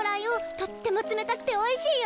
とっても冷たくておいしいよ。